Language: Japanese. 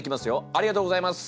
ありがとうございます。